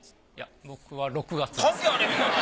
いや僕は６月です。